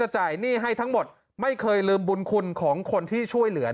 จ่ายหนี้ให้ทั้งหมดไม่เคยลืมบุญคุณของคนที่ช่วยเหลือ